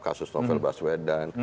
kasus novel baswedan